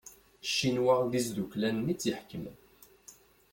Ccinwa d izduklanen i tt-iḥekmen.